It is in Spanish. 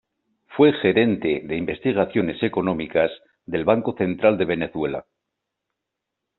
Fue gerente de Investigaciones Económicas del Banco Central de Venezuela.